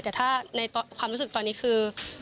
แต่ถ้าในความรู้สึกตอนนี้คือ